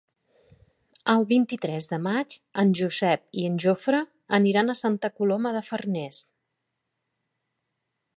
El vint-i-tres de maig en Josep i en Jofre aniran a Santa Coloma de Farners.